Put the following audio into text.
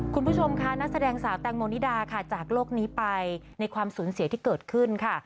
คุณผู้ชมค่ะนักแสดงสาวแตงโมนิดาค่ะจากโลกนี้ไปในความสูญเสียที่เกิดขึ้นค่ะ